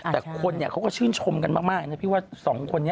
แต่คนเขาก็ชื่นชมกันมากนะพี่ว่าสองคนนี้